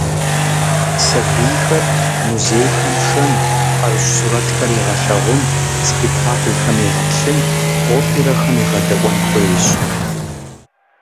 Сэбийхэр музейхэм шэн, ӏэрыщӏ сурэтхэр егъэлъэгъун, спектаклхэм егъэплъын, оперэхэм егъэдаӏуэн хуейщ.